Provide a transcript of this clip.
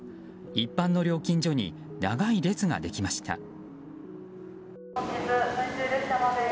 一般の料金所に長い列ができました。